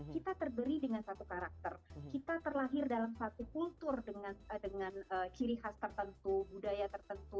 kita terberi dengan satu karakter kita terlahir dalam satu kultur dengan ciri khas tertentu budaya tertentu